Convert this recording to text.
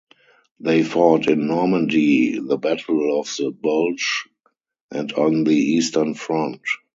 They fought in Normandy, the Battle of the Bulge and on the Eastern Front.